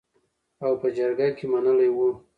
او په جرګه کې منلې وو .